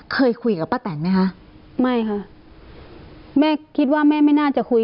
เคยคุยกับป้าแตนไหมคะไม่ค่ะแม่คิดว่าแม่ไม่น่าจะคุย